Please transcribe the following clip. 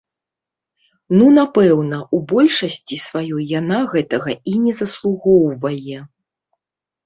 Ну, напэўна, у большасці сваёй яна гэтага і не заслугоўвае.